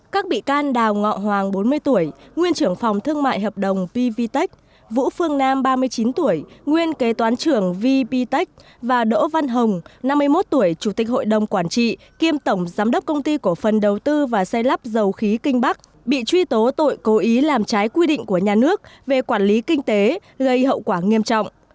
các bị can đào ngọ hoàng bốn mươi tuổi nguyên trưởng phòng thương mại hợp đồng pvtec vũ phương nam ba mươi chín tuổi nguyên kế toán trưởng vvtec và đỗ văn hồng năm mươi một tuổi chủ tịch hội đồng quản trị kiêm tổng giám đốc công ty cổ phần đầu tư và xây lắp dầu khí kinh bắc bị truy tố tội cố ý làm trái quy định của nhà nước về quản lý kinh tế gây hậu quả nghiêm trọng